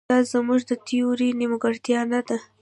دا زموږ د تیورۍ نیمګړتیا نه ده.